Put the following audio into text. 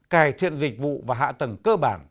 cải thiện dịch vụ và hạ tầng cơ bản